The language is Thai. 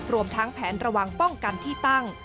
รวมทั้งแผนระวังป้องกันที่ตั้ง